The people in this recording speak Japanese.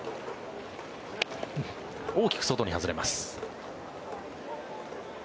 大きく外に外れます。